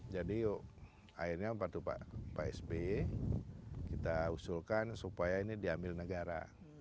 jadi yuk akhirnya pak sb kita usulkan supaya ini diambil negara